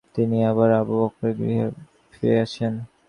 তিনি আবার আবু বকরের গৃহে ফিরে আসেন।